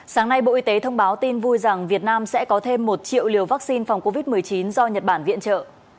sáng nay bộ y tế thông báo tin vui rằng việt nam sẽ có thêm một triệu liều vaccine phòng covid một mươi chín do nhật bản viện trợ